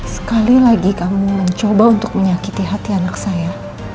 sekali lagi kami mencoba untuk menyakiti hati anak saya